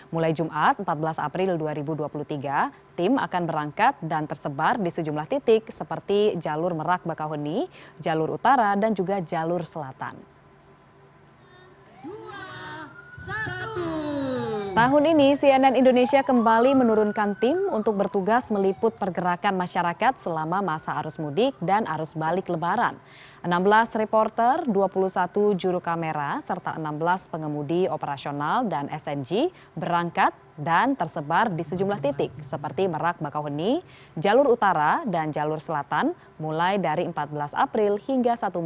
mulai jumat empat belas april dua ribu dua puluh tiga tim akan berangkat dan tersebar di sejumlah titik seperti jalur merak bakahuni jalur utara dan juga jalur selatan